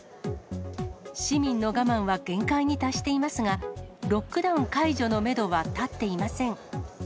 市民の我慢は限界に達していますが、ロックダウン解除のメドは立っていません。